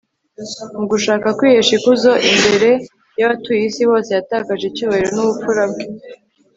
mu gushaka kwihesha ikuzo imbere y'abatuye isi bose, yatakaje icyubahiro n'ubupfura bwe